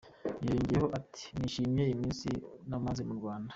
Yongeyeho ati "Nishimiye iminsi namaze mu Rwanda.